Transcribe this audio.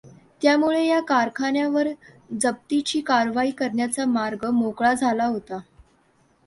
त्यामुळे या कारखान्यावर जप्तीची कारवाई करण्याचा मार्ग मोकळा झाला होता.